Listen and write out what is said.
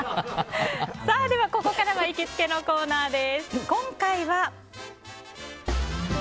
ではここからは行きつけのコーナーです。